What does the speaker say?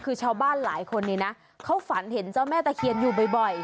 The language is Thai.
คือชาวบ้านหลายคนเนี่ยนะเขาฝันเห็นเจ้าแม่ตะเคียนอยู่บ่อย